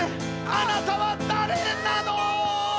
あなたはだれなの？